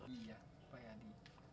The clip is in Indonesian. iya pak yadi